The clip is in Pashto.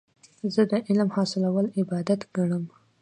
زه د علم حاصلول عبادت ګڼم.